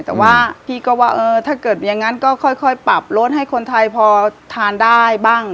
แต่ว่าพี่ก็ว่าเออถ้าเกิดอย่างนั้นก็ค่อยปรับลดให้คนไทยพอทานได้บ้าง